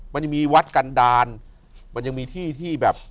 มันยังมีวัดกันดาลมันยังมีที่ที่แบบ